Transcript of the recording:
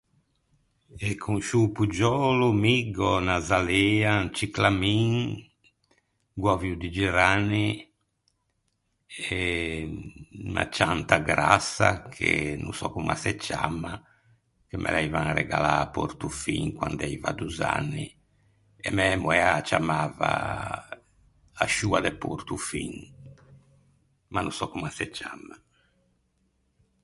Eh con sciô o poggiölo mi gh’ò unn’azalea, un ciclamin, gh’ò avuo di geranni e unna cianta grassa che no sò comm’a se ciamma, che me l’aivan regallâ à Portofin quand’aiva dozz’anni e mæ moæ a â ciammava a scioa de Portofin, ma no sò comm’a se ciamma.